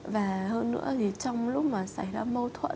và hơn nữa thì trong lúc mà xảy ra mâu thuẫn